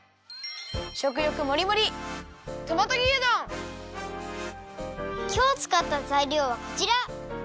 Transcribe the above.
しょくよくもりもりきょうつかったざいりょうはこちら。